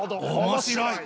面白い。